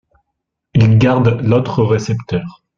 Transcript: Il garde l’autre récepteur.